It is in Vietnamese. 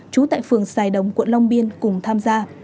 trú tại phường sài đồng quận long biên cùng tham gia